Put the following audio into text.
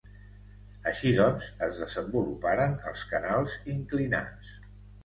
Així doncs es desenvoluparen els canals inclinats.